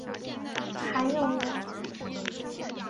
韩永人。